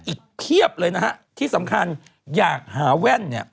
เพียบเลยนะฮะที่สำคัญอยากหาแว่นเนี่ย